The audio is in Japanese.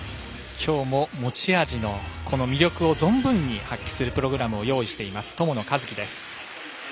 今日も持ち味の魅力を存分に発揮するプログラムを用意しています、友野一希です。